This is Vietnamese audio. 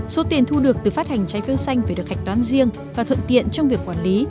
số tiền thu được từ phát hành trái phiếu xanh phải được hạch toán riêng và thuận tiện trong việc quản lý